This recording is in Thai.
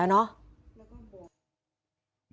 ก็ทั้ง๖๐สิทธิ์